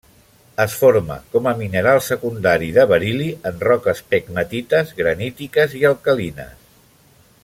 Es forma com a mineral secundari de beril·li en roques pegmatites granítiques i alcalines.